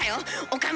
岡村